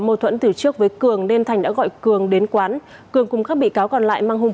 mô thuẫn từ trước với cường nên thành đã gọi cường đến quán cường cùng các bị cáo còn lại mang hung